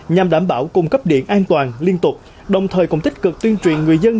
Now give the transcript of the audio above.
nhằm đảm bảo cung cấp điện an toàn liên tục đồng thời cũng tích cực tuyên truyền người dân